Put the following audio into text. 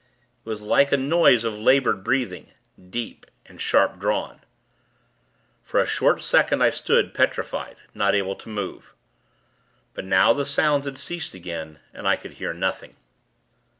It was like a noise of labored breathing deep and sharp drawn. For a short second, I stood, petrified; not able to move. But now the sounds had ceased again, and I could hear nothing.